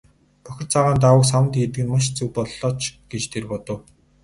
Бохир цагаан даавууг саванд хийдэг нь маш зөв боллоо ч гэж тэр бодов.